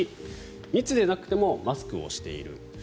１、密でなくてもマスクをしている。